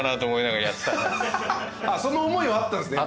その思いはあったんすね。